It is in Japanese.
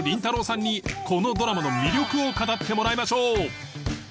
さんにこのドラマの魅力を語ってもらいましょう